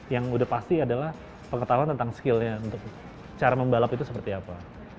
yang udah pasti adalah pengetahuan tentang skillnya untuk cara membalap itu seperti apa